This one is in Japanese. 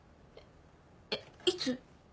えっいつ？